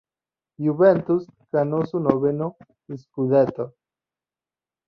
Juventus ganó su noveno "scudetto".